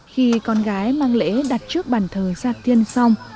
khi con gái mang lễ đặt trước bàn thờ gia tiên xong